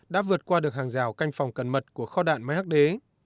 đã vượt qua được hàng rào canh phòng cần mật của kho đạn máy hắc đế